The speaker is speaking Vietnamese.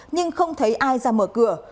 nhưng không thấy ai ra mở cửa